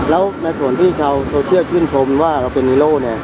แล้วในส่วนที่เช่าเชื่อชื่นชมว่าเราเป็นฮีโร่ไหน